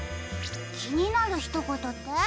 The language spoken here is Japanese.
きになるひとことって？